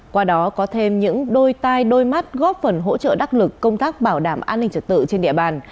qua đó có thêm những đôi tai đôi mắt góp phần hỗ trợ đắc lực công tác bảo đảm an ninh trật tự trên địa bàn